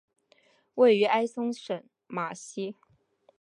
位于埃松省马西。